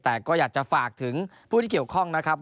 แต่ก็อยากจะฝากถึงผู้ที่เกี่ยวข้องนะครับ